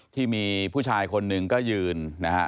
ที่มีผู้ชายคนหนึ่งก็ยืนนะฮะ